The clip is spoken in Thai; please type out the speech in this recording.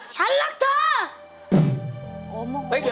ฉันรักเธอ